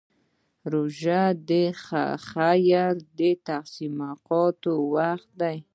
روژه د خیر تقسیمولو وخت دی.